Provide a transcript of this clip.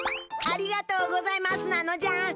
ありがとうございますなのじゃ！